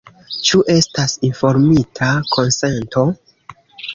Ĉu estas informita konsento?